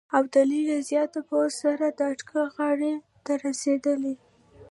ابدالي له زیات پوځ سره د اټک غاړې ته رسېدلی.